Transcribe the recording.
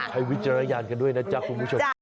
วิจารณญาณกันด้วยนะจ๊ะคุณผู้ชม